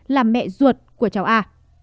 làm mẹ ruột của cháu a